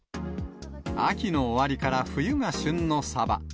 秋の終わりから冬が旬のサバ。